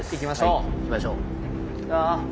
はい行きましょう。